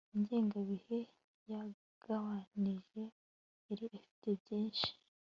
Ingengabihe yagabanijwe yari afite byinshi